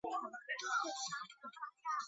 他最喜欢的足球队是博卡青年队俱乐部。